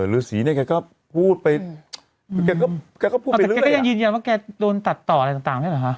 ฤษีเนี่ยแกก็พูดไปแกก็พูดแต่แกก็ยังยืนยันว่าแกโดนตัดต่ออะไรต่างเนี่ยเหรอคะ